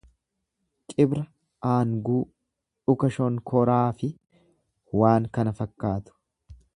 Cibra aanguu, dhuka shonkoraa fi waan kana fakkaatu.